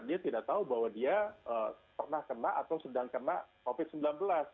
dia tidak tahu bahwa dia pernah kena atau sedang kena covid sembilan belas